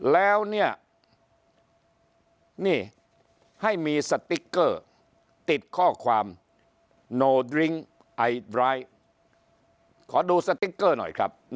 แล้วเนี่ยนี่ให้มีสติ๊กเกอร์ติดข้อความโนดริ้งไอดรายขอดูสติ๊กเกอร์หน่อยครับ